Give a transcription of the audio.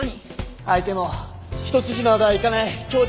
相手も一筋縄ではいかない強敵で。